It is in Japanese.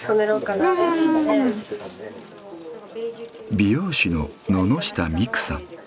美容師の野々下未来さん。